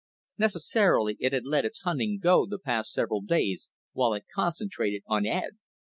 Necessarily, it had let its hunting go the past several days while it concentrated on Ed.